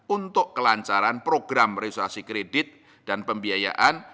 untuk kelancaran program resuasi kredit dan pembiayaan